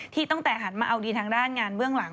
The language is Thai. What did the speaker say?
ที่ตั้งแต่หันมาเอาดีทางด้านงานเวลาหลัง